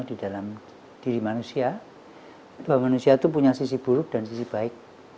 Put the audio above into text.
di dalam diri manusia bahwa manusia itu punya sisi buruk dan sisi baik